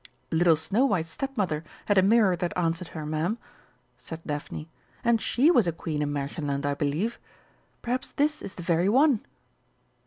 "Little Snow white's Stepmother had a mirror that answered her, Ma'am," said Daphne, "and she was a queen in Märchenland, I believe. Perhaps this is the very one!"